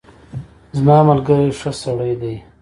زما ملګری ښه سړی دی.